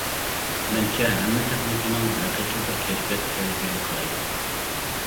مەنچە ھەممە تېخنىكىنىڭ ھەقىقىي بىر كەشپىيات ئىكەنلىكىگە قارايدۇ.